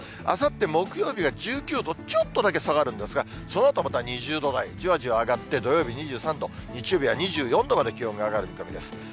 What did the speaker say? あさって木曜日が１９度、ちょっとだけ下がるんですが、そのあとまた２０度台、じわじわ上がって、土曜日２３度、日曜日は２４度まで気温が上がる見込みです。